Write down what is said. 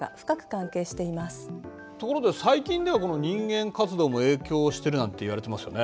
ところで最近では人間活動も影響してるなんていわれていますよね？